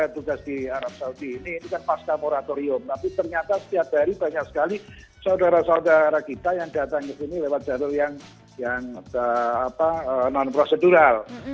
tugas di arab saudi ini kan pasca moratorium tapi ternyata setiap hari banyak sekali saudara saudara kita yang datang ke sini lewat jalur yang non prosedural